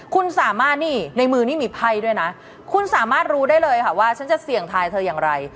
คุณสามารถนี่ในมือนี่มีไพ่ด้วยนะคุณสามารถรู้ได้เลยค่ะว่าฉันจะเสี่ยงทายเธออย่างไร